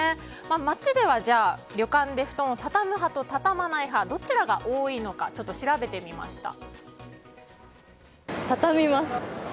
街では旅館で布団を畳む派と畳まない派、どちらが多いのか調べてみました。